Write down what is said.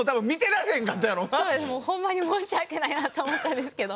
ホンマに申し訳ないなと思ったんですけど。